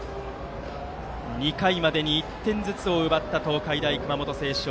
２回までに１点ずつを奪った東海大熊本星翔。